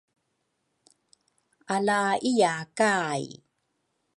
Ala iya kay